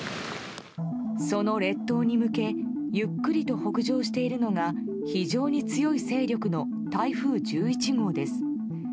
その列島に向けゆっくりと北上しているのが非常に強い勢力の台風１１号です。